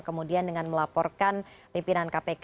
kemudian dengan melaporkan pimpinan kpk